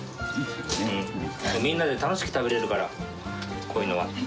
みんなで楽しく食べれるから、こういうのは。